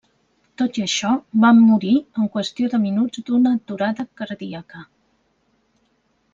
Tot i això, va morir en qüestió de minuts d'una aturada cardíaca.